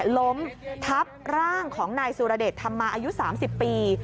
ล้มทับร่างของนายสุรเดชธรรมาอายุ๓๐ปี